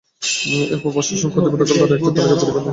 এরপর প্রশাসন কতিপয় দখলদারের একটি তালিকা তৈরি করে নোটিশ জারি করেছিল।